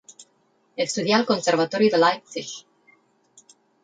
Estudià al Conservatori de Leipzig.